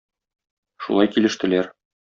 Шулай килештеләр.